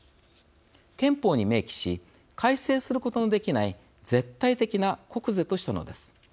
憲法に明記し改正することのできない絶対的な国是としたのです。